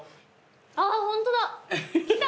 あっホントだきた！